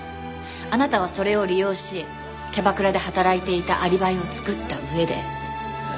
あなたはそれを利用しキャバクラで働いていたアリバイを作った上で。